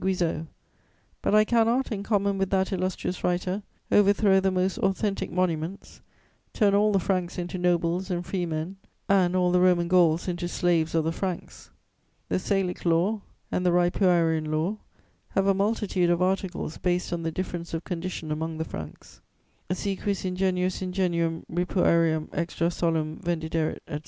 Guizot; but I cannot, in common with that illustrious writer, overthrow the most authentic monuments, turn all the Franks into 'nobles' and 'free men,' and all the Roman Gauls into 'slaves of the Franks.' The Salic Law and the Ripuarian Law have a multitude of articles based on the difference of condition among the Franks: "'_St quis ingenuus ingenuum ripuarium extra solum vendiderit, etc., etc.